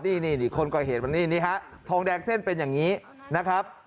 นี่คนก่อเหตุวันนี้นี่ฮะทองแดงเส้นเป็นอย่างนี้นะครับ